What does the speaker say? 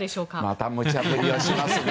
また無茶ぶりをしますね。